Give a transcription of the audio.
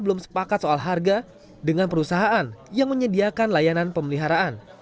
belum sepakat soal harga dengan perusahaan yang menyediakan layanan pemeliharaan